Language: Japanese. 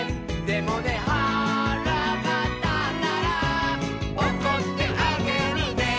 「でもねはらがたったら」「おこってあげるね」